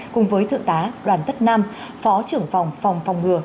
cùng với thượng tá đoàn tất nam phó trưởng phòng phòng ngừa